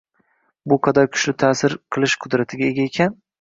Bu qadar kuchli ta’sir qilish qudratiga ega ekan?